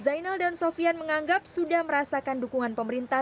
zainal dan sofian menganggap sudah merasakan dukungan pemerintah